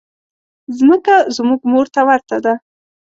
مځکه زموږ مور ته ورته ده.